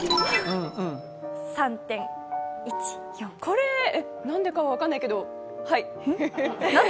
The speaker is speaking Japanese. これ、なんでか分からないけど、はい。